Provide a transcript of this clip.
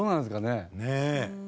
ねえ。